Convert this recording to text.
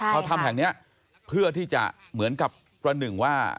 เขาทำแห่งนี้เพื่อที่จะเหมือนกับประหนึ่งว่า